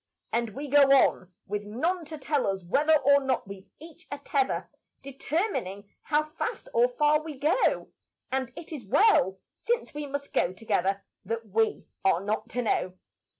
And we go on with none to tell us whether Or not we've each a tether Determining how fast or far we go; And it is well, since we must go together, That we are not to know.